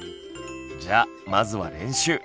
じゃあまずは練習！